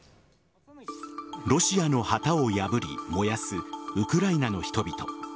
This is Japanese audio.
ロシアの旗を破り、燃やすウクライナの人々。